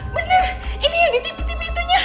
bener ini yang di tipi tipi itunya